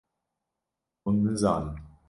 hûn nizanin.